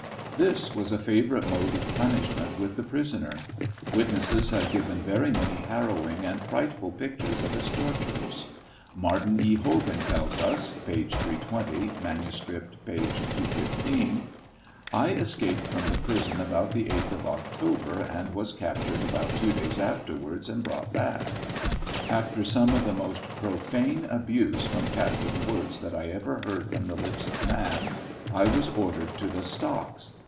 This was a favorite mode of punishment with the prisoner. Witnesses have given very many harrowing aud frightful pictures of its tortures. Martin E. Hogantells us,(p. 320; manuscript, p. 215:) I escaped from the prison about the 8th of Qctober, and was captured about two days afterwards and brought back. After some of the most profane abuse'from Captain Wirz that I ever heard from the lips of man I was ordered to the stocks.